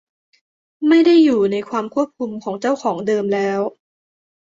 ไม่ได้อยู่ในความควบคุมของเจ้าของเดิมแล้ว